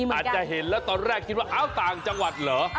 อาจจะเห็นแล้วตอนแรกคิดว่าอ้าวต่างจังหวัดเหรอ